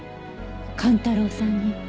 寛太郎さんに？